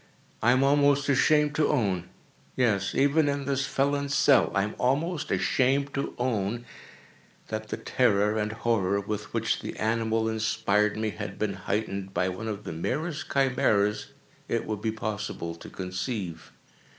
I am almost ashamed to own—yes, even in this felon's cell, I am almost ashamed to own—that the terror and horror with which the animal inspired me, had been heightened by one of the merest chimaeras it would be possible to conceive.